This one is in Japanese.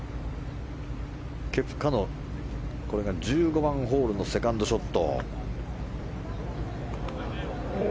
ケプカのこれが１５番ホールのセカンドショット。